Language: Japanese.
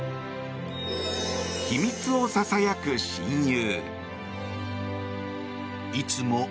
秘密をささやく親友。